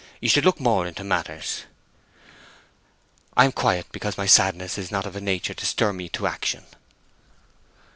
You should look more into matters." "I am quiet because my sadness is not of a nature to stir me to action."